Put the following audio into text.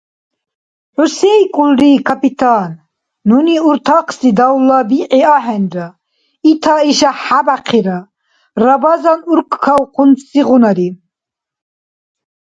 — Хӏу сейкӏулри, капитан?! Нуни уртахъси давла бигӏи ахӏенра, ита-иша хӏебяхъира, — Рабазан уркӏкавхъунсигъунари.